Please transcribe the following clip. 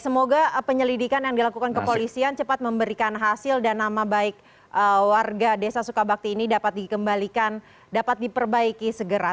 semoga penyelidikan yang dilakukan kepolisian cepat memberikan hasil dan nama baik warga desa sukabakti ini dapat dikembalikan dapat diperbaiki segera